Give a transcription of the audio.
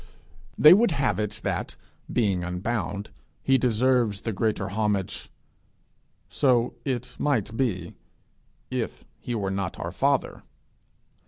They would have it that, being unbound, he deserves the greater homage! So it might be, if he were not our father.